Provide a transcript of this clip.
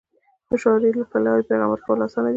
د شاعری له لارې پیغام ورکول اسانه دی.